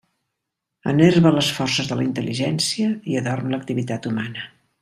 Enerva les forces de la intel·ligència i adorm l'activitat humana.